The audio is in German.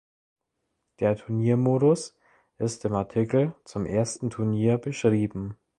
Der Turniermodus ist im Artikel zum ersten Turnier beschrieben.